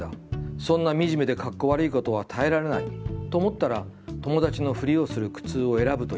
そんなミジメでかっこ悪いことは耐えられない』と思ったら、『友達のふりをする苦痛』を選ぶといいと思います。